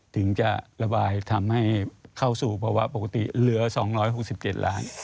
ถึงจะระบายทำให้เข้าสู่ภาวะปกติเหลือ๒๖๗ล้าน